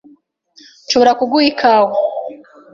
Nshobora kuguha ikawa?